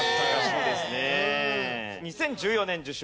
２０１４年受賞。